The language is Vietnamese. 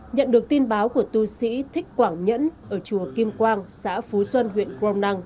nhận được tin báo của tu sĩ thích quảng nhẫn ở chùa kim quang xã phú xuân huyện crom năng